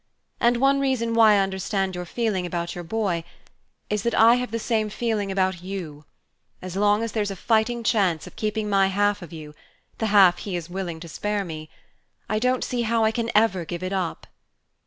And one reason why I understand your feeling about your boy is that I have the same feeling about you: as long as there's a fighting chance of keeping my half of you the half he is willing to spare me I don't see how I can ever give it up."